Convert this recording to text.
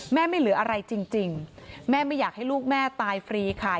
ไม่เหลืออะไรจริงแม่ไม่อยากให้ลูกแม่ตายฟรีค่ะ